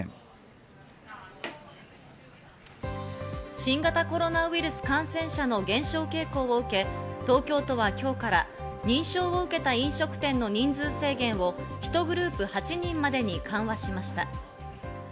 新型コロナウイルス感染者の減少傾向を受け、東京都は今日から認証を受けた飲食店の人数制限を１グループ８人までに緩和しました。